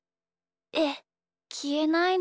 えっきえないの？